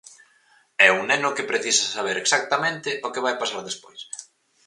É un neno que precisa saber exactamente o que vai pasar despois.